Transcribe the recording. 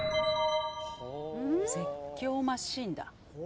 「絶叫マシン」だ。